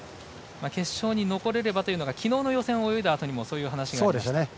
決勝に残れればというのが昨日の予選を泳いだあとにもそういう話がありました。